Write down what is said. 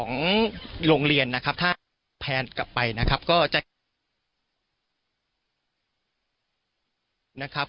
ส่วนด้านนอกของโรงเรียนถ้าแผนกลับไปนะครับก็จะใช้โรงเรียนสำทูล